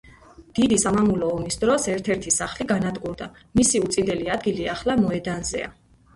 დიდი სამამულო ომის დროს ერთ-ერთი სახლი განადგურდა, მისი უწინდელი ადგილი ახლა მოედანზეა.